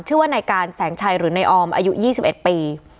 ชื่อว่านายการแสงชัยหรือนายออมอายุ๒๑ปี